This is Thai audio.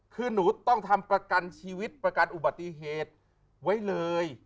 คือหนูต้องทำประกันชีวิตประกันอุบัติเหตุไว้เลย